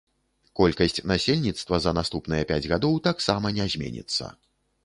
Колькасць насельніцтва за наступныя пяць гадоў таксама не зменіцца.